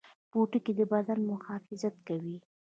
پوټکی د بدن محافظت کوي